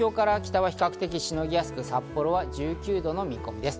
一方、東京から秋田は比較的しのぎやすく、札幌は１９度の見込みです。